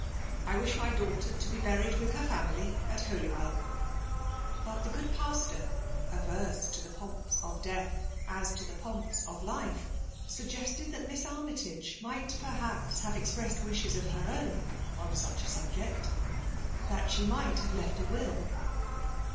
I wish my daughter to b# « buried with her family at HolyweK. But the good pastor, averse to the pomps of death as to the pomps of life, suggested that Miss Armytage might perhaps have expressed wishes of her own on such a subject ;—" that she might have left a will.